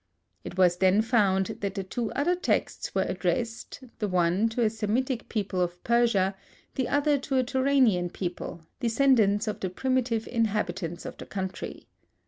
It was then found that the two other texts were addressed, the one to a Semitic people of Persia, the other to a Turanian people, descendants of the primitive inhabitants of the country.